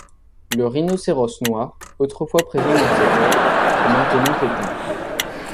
Le rhinocéros noir, autrefois présent dans cette aire, est maintenant éteint.